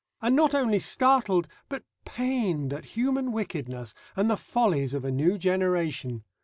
And not only startled but pained at human wickedness and the follies of a new generation.